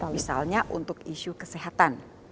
misalnya untuk isu kesehatan